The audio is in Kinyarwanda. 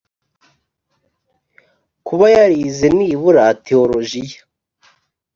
kuba yarize nibura tewologia